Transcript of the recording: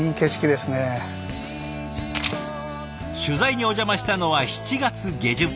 取材にお邪魔したのは７月下旬。